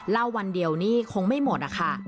เล่าวันเดียวนี้คงไม่หมดนะคะ